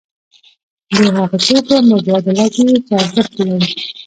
د هغو توکو مبادله کیږي چې ارزښت ولري.